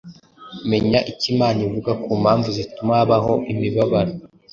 Menya icyo Imana ivuga ku mpamvu zituma habaho imibabaro.